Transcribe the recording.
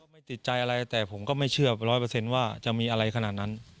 ไม่ติดใจอะไรแต่ผมก็ไม่เชื่อร้อยเปอร์เซ็นต์ว่าจะมีอะไรขนาดนั้น